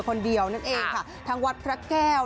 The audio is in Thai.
คนเดียวนั่นเองค่ะทั้งวัดพระแก้ว